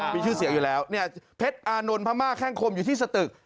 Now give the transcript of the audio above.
มีชื่อเสียงอยู่แล้วเนี่ยเพชรอานนท์พม่าแข้งคมอยู่ที่สตึก